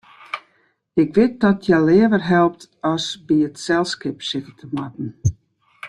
Ik wit dat hja leaver helpt as by it selskip sitte te moatten.